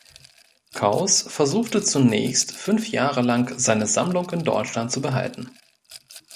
Kaus versuchte zunächst fünf Jahre lang seine Sammlung in Deutschland zu behalten.